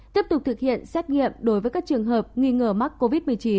tiếp tục thực hiện xét nghiệm đối với các trường hợp nghi ngờ mắc covid một mươi chín